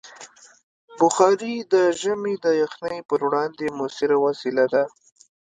بخاري د ژمي د یخنۍ پر وړاندې مؤثره وسیله ده.